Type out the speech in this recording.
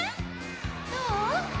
どう？